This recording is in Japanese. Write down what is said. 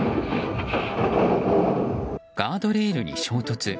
ガードレールに衝突。